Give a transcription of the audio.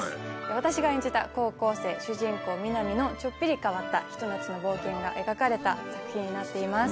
私が演じた高校生主人公美波のちょっぴり変わったひと夏の冒険が描かれた作品になっています。